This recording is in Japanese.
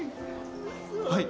はい。